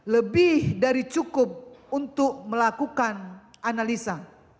lebih dari cukup untuk melakukan analisa